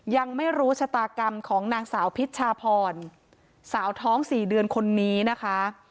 ยังไม่รู้ชะตากรรมของนางสาวพิชชาพรสาวท้องสี่เดือนคนนี้นะคะ